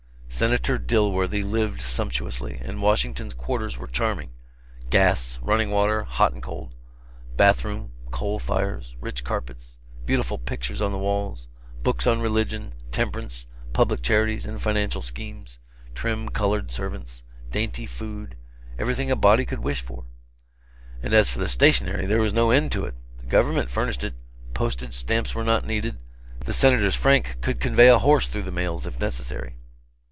Senator Dilworthy lived sumptuously, and Washington's quarters were charming gas; running water, hot and cold; bath room, coal fires, rich carpets, beautiful pictures on the walls; books on religion, temperance, public charities and financial schemes; trim colored servants, dainty food everything a body could wish for. And as for stationery, there was no end to it; the government furnished it; postage stamps were not needed the Senator's frank could convey a horse through the mails, if necessary.